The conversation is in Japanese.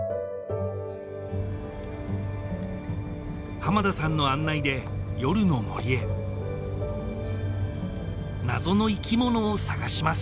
浜田さんの案内で夜の森へ謎の生き物を探します